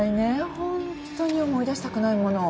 本当に思い出したくないものを。